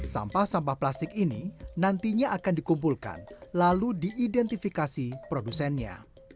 sampah sampah plastik ini nantinya akan dikumpulkan lalu diidentifikasi produsennya